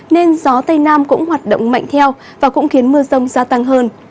nên gió tây nam cũng hoạt động mạnh theo và cũng khiến mưa rông gia tăng hơn